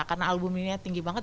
karena album ini tinggi banget